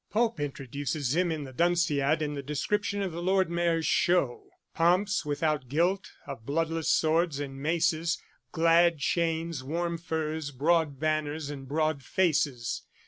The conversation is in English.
"' Pope introduces him in The Dunciad, i. 87, in the description of the Lord Mayor's Show: 'Pomps without guilt, of bloodless swords and maces, Glad chains, warm furs, broad banners and broad faces.